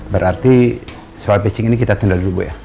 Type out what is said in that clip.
berarti soal pacing ini kita tunda dulu bu ya